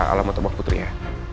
aku wa ala motobag putri ya